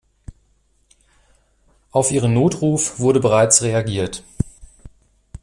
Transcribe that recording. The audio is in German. Auf Ihren Notruf wurde bereits reagiert.